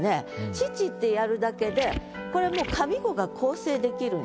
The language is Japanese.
「乳」ってやるだけで上五が構成できるんです。